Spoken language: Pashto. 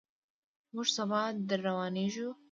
موږ سبا درروانېږو.